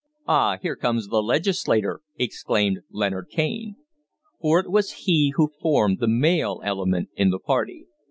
"Ah, here comes the legislator!" exclaimed Leonard Kaine. For it was he who formed the male element in the party.